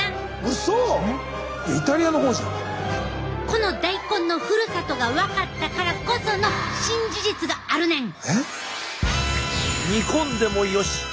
この大根のふるさとが分かったからこその新事実があるねん！